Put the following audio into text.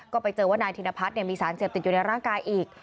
ก็ไปเจอว่านายธินพัฒน์มีสารเสพติดอยู่ในร่างกายอีก